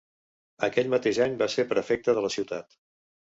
Aquell mateix any va ser prefecte de la ciutat.